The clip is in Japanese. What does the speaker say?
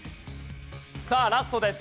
さあラストです。